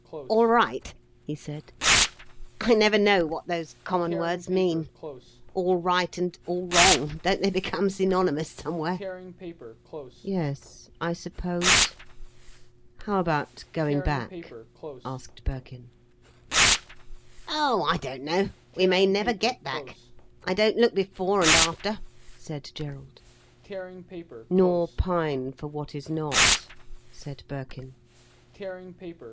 "All right?" he said. "I never know what those common words mean. All right and all wrong, don't they become synonymous, somewhere?" "Yes, I suppose. How about going back?" asked Birkin. "Oh, I don't know. We may never get back. I don't look before and after," said Gerald. "Nor pine for what is not," said Birkin.